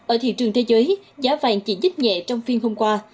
ở thị trường thế giới giá vàng chỉ dứt nhẹ trong phiên hôm qua